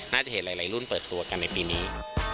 น่าจะเห็นหลายรุ่นเปิดตัวกันในปีนี้